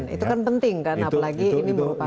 itu kan penting kan apalagi ini merupakan